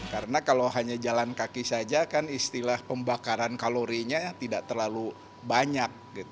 karena kalau hanya jalan kaki saja kan istilah pembakaran kalorinya tidak terlalu banyak